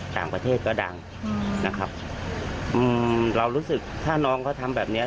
ต่างประเทศก็ดังเรารู้สึกถ้าน้องทำแบบนี้